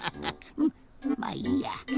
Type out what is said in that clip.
フッまあいいや。